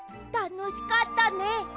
たのしかったね。